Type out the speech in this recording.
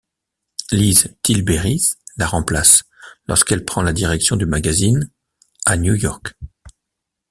Liz Tilberis la remplace lorsqu'elle prend la direction du magazine ' à New York.